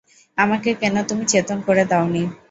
আমাকে কেন তুমি চেতন করে দাও নি।